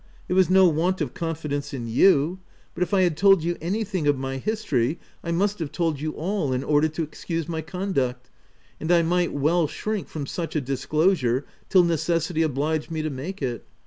It was no want of confidence in you ; but if I had told you any OF WILDFELL HALL. 139 thing of my history, I must have told you all, in order to excuse my conduct ; and I might well shrink from such a disclosure, till necessity obliged me to make it.